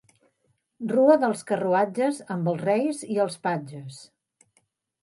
Rua dels carruatges amb els Reis i els patges.